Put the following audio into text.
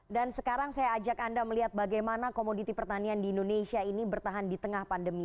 dan sekarang saya ajak anda melihat bagaimana komoditi pertanian di indonesia ini bertahan di tengah pandemi